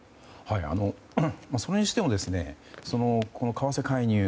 それにしてもこの為替介入